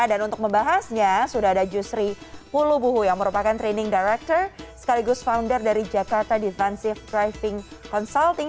dan untuk membahasnya sudah ada jusri pulubuhu yang merupakan training director sekaligus founder dari jakarta defensive driving consulting